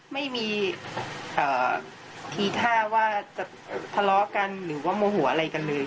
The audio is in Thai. ไม่มีทีท่าว่าจะทะเลาะกันหรือว่าโมโหอะไรกันเลย